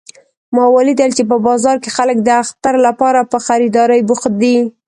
ما ولیدل چې په بازار کې خلک د اختر لپاره په خریدارۍ بوخت دي